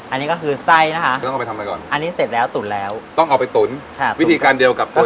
อันนี้ก็คือไส้นะคะอันนี้เสร็จแล้วตุ๋นแล้วต้องเอาไปตุ๋นวิธีการเดียวกับตัวนี้